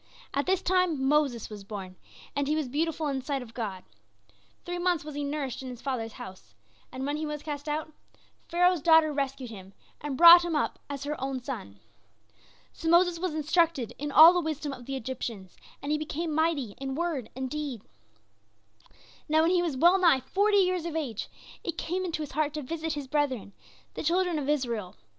At this time Moses was born, and he was beautiful in the sight of God. Three months was he nourished in his father's house, and when he was cast out, Pharaoh's daughter rescued him and brought him up as her own son. So Moses was instructed in all the wisdom of the Egyptians, and he became mighty in word and deed. "Now when he was well nigh forty years of age, it came into his heart to visit his brethren, the children of Israel.